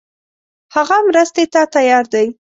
هغه مرستې ته تیار دی.